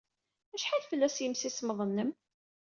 Acḥal fell-as yimsismeḍ-nnem?